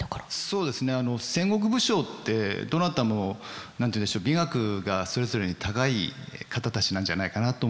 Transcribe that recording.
そうですね戦国武将ってどなたも何て言うんでしょう美学がそれぞれに高い方たちなんじゃないかなと思うんですね。